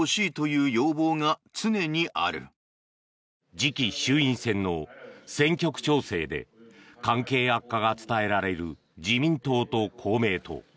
次期衆院選の選挙区調整で関係悪化が伝えられる自民党と公明党。